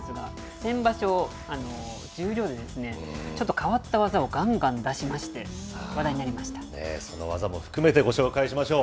先場所、十両で、ちょっと変わった技をがんがん出しまして話題にその技も含めてご紹介しましょう。